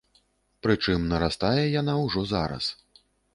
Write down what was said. Прычым нарастае яна ўжо зараз.